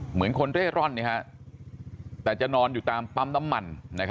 เหมือนคนเร่ร่อนแต่จะนอนอยู่ตามปั๊มน้ำมัน